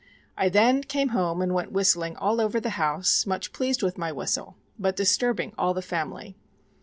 I then came home and went whistling all over the house, much pleased with my whistle, but disturbing all the family.